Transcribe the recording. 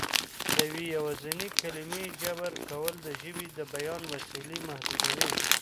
د یوې یوازینۍ کلمې جبري کول د ژبې د بیان وسیلې محدودوي